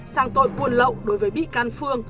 sang tội buôn lậu đối với bị can phương